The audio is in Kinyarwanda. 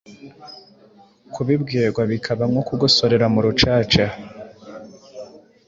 kubibwirwa bikaba nko kugosorera mu rucaca